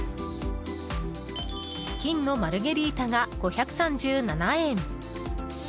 金のマルゲリータが５３７円。